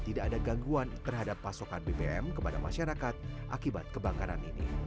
tidak ada gangguan terhadap pasokan bbm kepada masyarakat akibat kebakaran ini